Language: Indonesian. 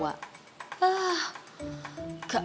gak bagus yaa